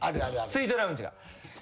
スイートラウンジが。